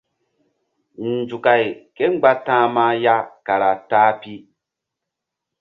Nzukay kémgba ta̧hma ya kara ta-a pi.